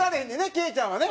ケイちゃんはね。